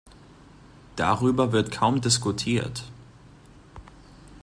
Darüber wird kaum diskutiert.